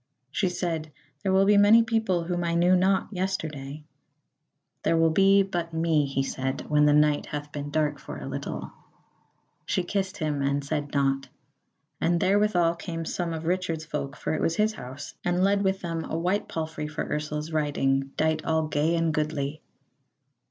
She said: "There will be many people whom I knew not yesterday." "There will be but me," he said, "when the night hath been dark for a little." She kissed him and said nought. And therewithal came some of Richard's folk, for it was his house, and led with them a white palfrey for Ursula's riding, dight all gay and goodly.